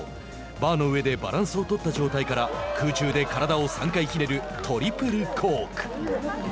バーの上でバランスを取った状態から空中で体を３回ひねるトリプルコーク。